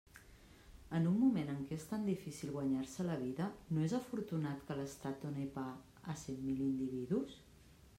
En un moment en què és tan difícil guanyar-se la vida, ¿no és afortunat que l'estat done pa a cent mil individus?